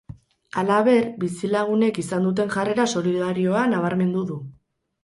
Halaber, bizilagunek izan duten jarrera solidarioa nabarmendu du.